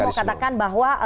jadi anda mau katakan bahwa